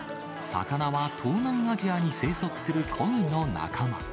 魚は東南アジアに生息するコイの仲間。